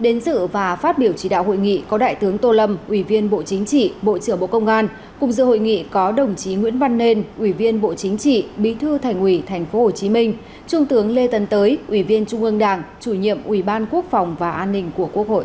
đến dự và phát biểu chỉ đạo hội nghị có đại tướng tô lâm ủy viên bộ chính trị bộ trưởng bộ công an cùng dự hội nghị có đồng chí nguyễn văn nên ủy viên bộ chính trị bí thư thành ủy tp hcm trung tướng lê tân tới ủy viên trung ương đảng chủ nhiệm ủy ban quốc phòng và an ninh của quốc hội